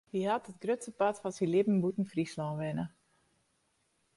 Hy hat it grutste part fan syn libben bûten Fryslân wenne.